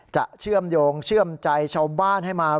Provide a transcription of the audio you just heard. เชื่อมโยงเชื่อมใจชาวบ้านให้มา